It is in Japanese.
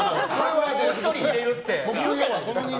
もう１人入れるとか。